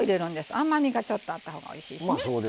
甘みがちょっとあった方がおいしいしね。